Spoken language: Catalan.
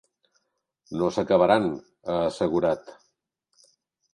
No s’acabaran, ha assegurat.